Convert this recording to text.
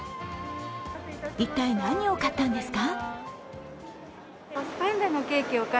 一体何を買ったんですか？